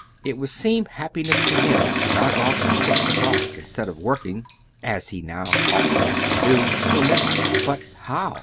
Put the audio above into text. It would seem happiness to him to knock off at 6 o'clock in stead of working, as he now often has to do, till midnight. But how?